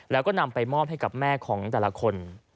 แล้วก็นำไปมอบให้กับแม่ของแต่ละคน